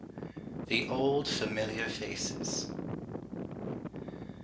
THE OLD FAMILIAR FACES.